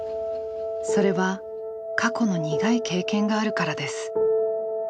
それは過去の苦い経験があるからです。